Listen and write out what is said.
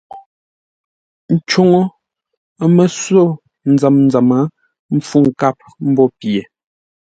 I@Cúŋə́ (lóŋə́) ə́ mə́ só nzəm nzəm mpfú nkâp mbô pye.